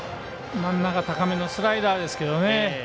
真ん中高めのスライダーですけどね